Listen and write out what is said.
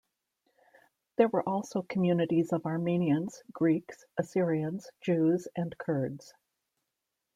There were also communities of Armenians, Greeks, Assyrians, Jews and Kurds.